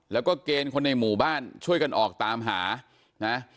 แล้วก็เกณฑ์คนในหมู่บ้านช่วยกันออกตามหานะ